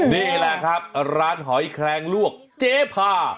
นี่แหละครับร้านหอยแคลงลวกเจ๊พา